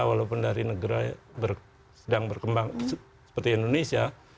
walaupun dari negara sedang berkembang seperti indonesia